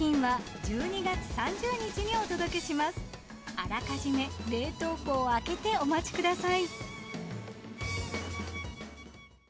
あらかじめ冷凍庫を空けてお待ちください。